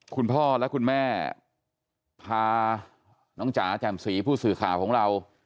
คุณพ่อและคุณแม่พาน้องจ๋าแจ่มสีผู้สื่อข่าวของเรา